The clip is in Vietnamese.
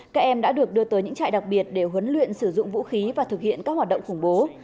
các em đã được đưa tới những trại đặc biệt để huấn luyện sử dụng vũ khí và thực hiện các hoạt động khủng bố